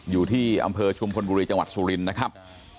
อยู่ที่อำเภอชุมพลบุรีจังหวัดสุรินทร์นะครับ